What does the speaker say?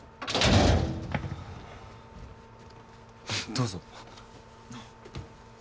どうぞ。